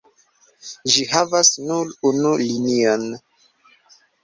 Ĝi havis nur unu linion.